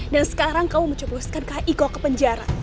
dan sekarang kamu mencoboskan kaiko ke penjara